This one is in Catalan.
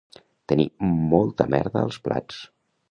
Tenir molta merda als plats